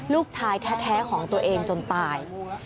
ลูกชายแท้ของตัวเองจนตาย